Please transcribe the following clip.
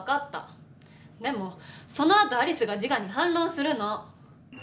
でもそのあとアリスがジガに反論するの。